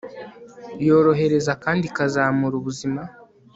Yorohereza kandi ikazamura ubuzima